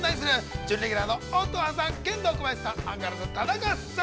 準レギュラーの乙葉さん、ケンコバさん、アンガールズの田中さん。